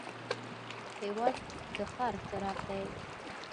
هېواد د ښار څراغ دی.